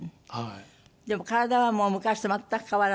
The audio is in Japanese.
でも体はもう昔と全く変わらないで？